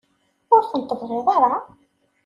Ur ten-tebɣiḍ ara?